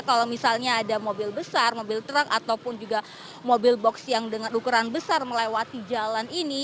kalau misalnya ada mobil besar mobil truk ataupun juga mobil box yang dengan ukuran besar melewati jalan ini